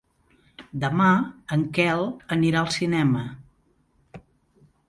Demà en Quel anirà al cinema.